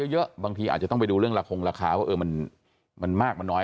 เยอะบางทีอาจจะต้องไปดูเรื่องละคงราคาว่ามันมากมันน้อย